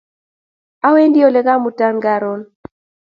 Awendi ole ka'muta karun